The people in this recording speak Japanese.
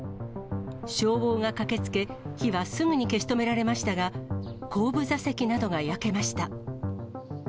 消防が駆けつけ、火はすぐに消し止められましたが、後部座席などが焼けました。